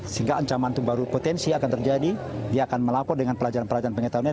sehingga ancaman itu baru potensi akan terjadi dia akan melapor dengan pelajaran pelajaran pengetahuan